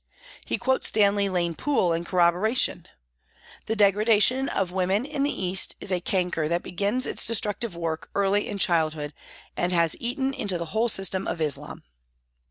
He quotes Stanley Lane Poole in corroboration :" The degradation of women in the East is a canker that begins its destructive work early in childhood, and has eaten into the whole system of Islam."